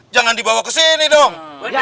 jangan dibawa ke sini dong